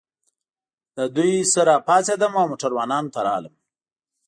له دوی نه راپاڅېدم او موټروانانو ته راغلم.